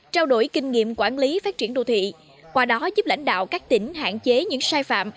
trao đổi kinh nghiệm quản lý phát triển đô thị qua đó giúp lãnh đạo các tỉnh hạn chế những sai phạm